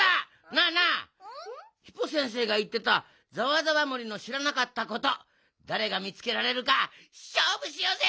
なあなあヒポ先生がいってたざわざわ森のしらなかったことだれがみつけられるかしょうぶしようぜ！